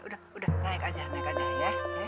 udah udah naik aja naik aja ya